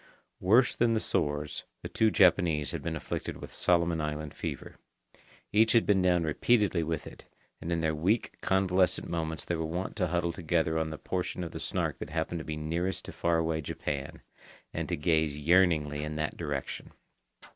Worse than the sores, the two Japanese had been afflicted with Solomon Island fever. Each had been down repeatedly with it, and in their weak, convalescent moments they were wont to huddle together on the portion of the Snark that happened to be nearest to faraway Japan, and to gaze yearningly in that direction.